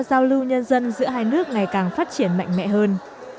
giao lưu nhân dân giữa hai nước ngày càng phát triển mạnh mẽ hơn